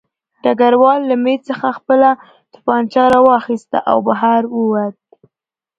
ډګروال له مېز څخه خپله توپانچه راواخیسته او بهر ووت